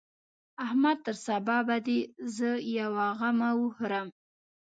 احمده! تر سبا به دې زه يوه غمه وخورم.